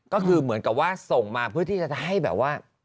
ก็คือเหมือนกับว่าส่งมาเพื่อที่จะให้แบบว่า